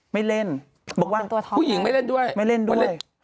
ไม่เล่นบอกว่าภูเงินไม่เล่นด้วย